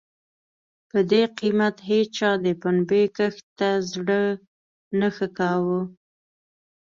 په دې قېمت هېچا د پنبې کښت ته زړه نه ښه کاوه.